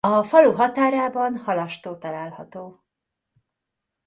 A falu határában halastó található.